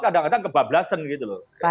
kadang kadang kebablasan gitu loh